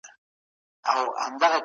الله زموږ د تېرو ګناهونو بښونکی دی.